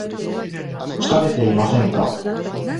疲れていませんか